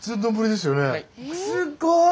すごい！